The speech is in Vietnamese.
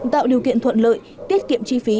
tạo điều kiện thuận lợi tiết kiệm chi phí